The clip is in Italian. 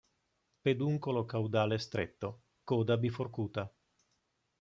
Peduncolo caudale stretto, coda biforcuta.